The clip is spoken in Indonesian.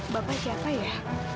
bapak siapa ya